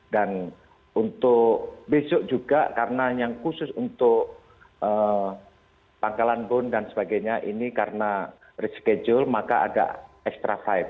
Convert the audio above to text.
dan untuk besok juga karena yang khusus untuk pangkara landun dan sebagainya ini karena reschedule maka ada extra flight